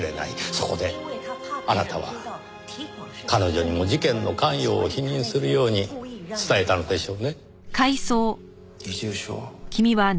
そこであなたは彼女にも事件の関与を否認するように伝えたのでしょうね。